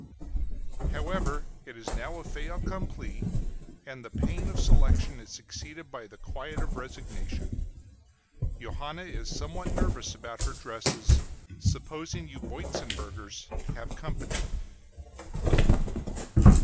However, it is now a fait accompli, and the pain of selection is succeeded by the quiet of resignation. Johanna is somewhat nervous about her dresses, supposing you Boitzenburgers have company.